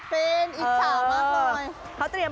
ฟินอิชามากเลย